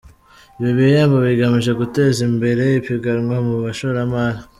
Ibi bihembo bigamije guteza imbere ipiganwa mu bashoramari.